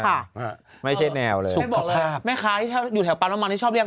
ค่ะไม่ใช่แนวเลยบอกเลยแม่ค่ะอยู่แถวปาน้ำมันที่ชอบเรียก